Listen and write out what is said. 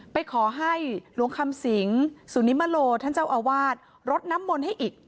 ไปขอให้หลวงคำสิงสุนิมโลท่านเจ้าอาวาสรดน้ำมนต์ให้อีก